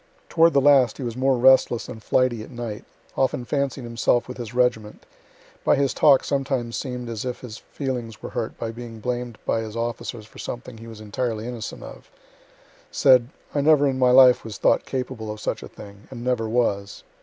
Toward the last he was more restless and flighty at night often fancied himself with his regiment by his talk sometimes seem'd as if his feelings were hurt by being blamed by his officers for something he was entirely innocent of said, "I never in my life was thought capable of such a thing, and never was."